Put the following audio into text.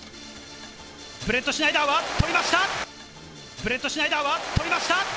ブレットシュナイダーはとりました！